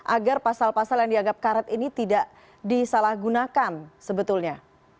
agar pasal pasal yang dianggap karet ini tidak disalahgunakan sebetulnya